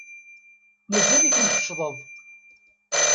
Mazal-ikem teccḍed.